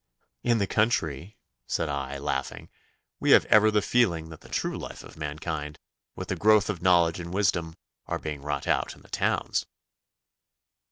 'In the country,' said I, laughing, 'we have ever the feeling that the true life of mankind, with the growth of knowledge and wisdom, are being wrought out in the towns.